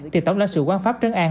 thì tổng lãnh sự quán pháp trấn an